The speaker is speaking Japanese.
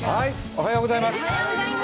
おはようございます。